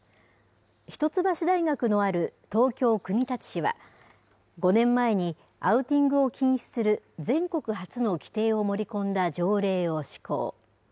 一橋大学のある東京・国立市は、５年前にアウティングを禁止する全国初の規定を盛り込んだ条例を施行。